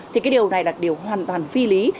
thì cái điều này là điều hoàn toàn phi lý